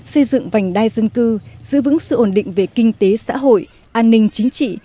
xây dựng vành đai dân cư giữ vững sự ổn định về kinh tế xã hội an ninh chính trị